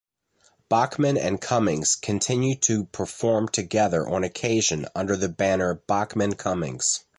Bachman and Cummings continue to perform together on occasion under the banner Bachman-Cummings.